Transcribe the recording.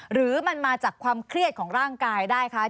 หรือมันมาจากความเครียดของร่างกายได้คะ